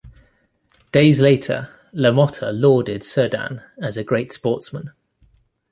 Days later, LaMotta lauded Cerdan as a great sportsman.